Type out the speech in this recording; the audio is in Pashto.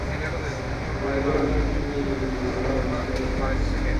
د ولور غم کې مې زړه او ځیګر خوړین شو